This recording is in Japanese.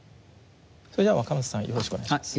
それでは若松さんよろしくお願いします。